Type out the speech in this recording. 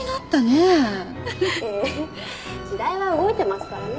ええ時代は動いてますからね。